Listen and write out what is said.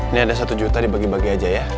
ini ada satu juta dibagi bagi aja ya